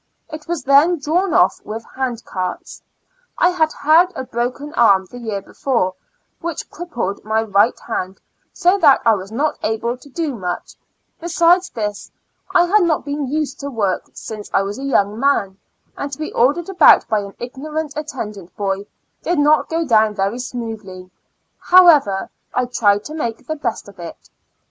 It was then drawn off with hand carts. I had had a broken arm the year before, which crippled my right hand so that I was not able to do much ; besides this, I had not been used to work since I was a young man, and to be ordered about by an ignorant attendant boy, did not go down very smoothly; however, I tried to make the best of it.